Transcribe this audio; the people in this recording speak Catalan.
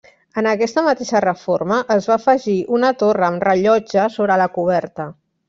En aquesta mateixa reforma, es va afegir una torre amb rellotge sobre la coberta.